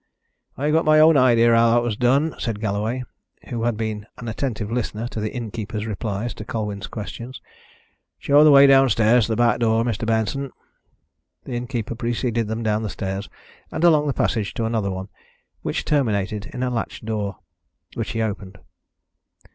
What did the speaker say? "I've got my own idea how that was done," said Galloway, who had been an attentive listener to the innkeeper's replies to Colwyn's questions. "Show the way downstairs to the back door, Mr. Benson." The innkeeper preceded them down the stairs and along the passage to another one, which terminated in a latched door, which he opened.